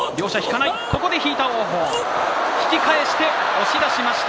押し出しました。